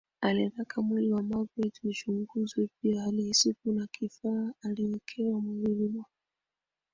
Alitaka mwili wa magreth uchunguzwe pia alihisi kuna kifaa aliwekewa mwilini mwake